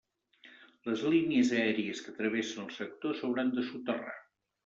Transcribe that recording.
Les línies aèries que travessen el sector s'hauran de soterrar.